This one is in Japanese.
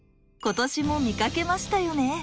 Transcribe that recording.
今年も見かけましたよね？